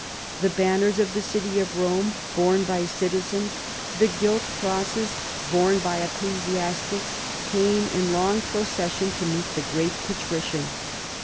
The banners of the city of Rome borne by citizens, the gilt crosses borne by ecclesiastics, came in long procession to meet CAROLUS AUGUSTUS. 257 the great Patrician.